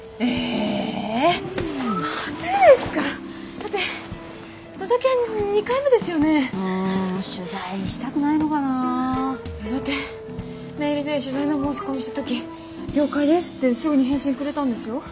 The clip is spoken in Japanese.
だってメールで取材の申し込みした時了解ですってすぐに返信くれたんですよ。